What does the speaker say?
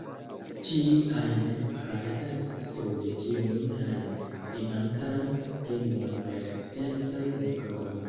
Ĉiu ajn rajtas studi kiun ajn vivantan lingvon per sciencaj metodoj.